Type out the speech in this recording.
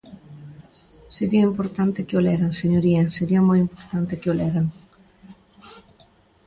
Sería importante que o leran, señoría, sería moi importante que o leran.